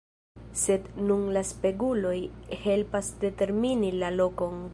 Sed nun la speguloj helpas determini la lokon.